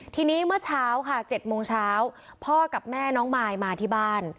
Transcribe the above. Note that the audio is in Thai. ทีนี้เมื่อเช้าค่ะ๗โมงเช้าพ่อกับแม่น้องมายมาที่บ้าน